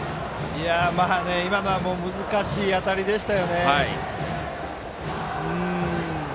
今のは難しい当たりでした。